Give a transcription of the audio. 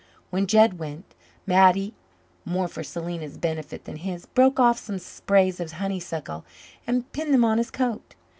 When Jed went, Mattie, more for Selena's benefit than his, broke off some sprays of honeysuckle and pinned them on his coat.